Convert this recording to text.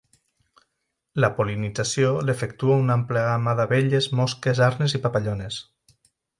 La pol·linització l'efectua una àmplia gamma d'abelles, mosques, arnes i papallones.